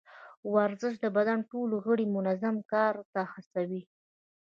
ورزش د بدن ټول غړي منظم کار ته هڅوي.